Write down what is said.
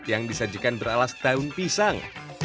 yang disajikan beralas daun pisang